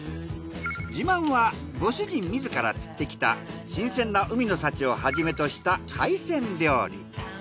自慢はご主人自ら釣ってきた新鮮な海の幸をはじめとした海鮮料理。